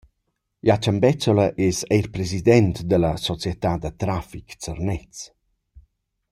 Jachen Bezzola es eir president da la Società da trafic Zernez.